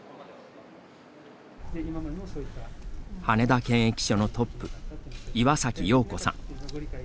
羽田検疫所のトップ岩崎容子さん。